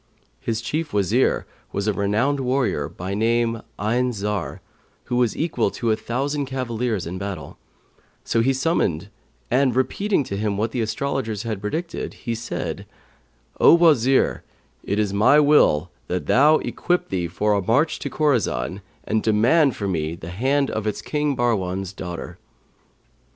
His chief Wazir was a renowned warrior, by name Ayn Zαr, who was equal to a thousand cavaliers in battle; so him he summoned and, repeating to him what the astrologers had predicted, he said, 'O Wazir, it is my will that thou equip thee for a march to Khorasan and demand for me the hand of its King Bahrwan's daughter.'